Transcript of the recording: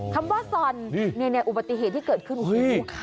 คำว่าส่อนเนี่ยอุบัติเหตุที่เกิดขึ้นน่ะอ้ะนี่ป่ะ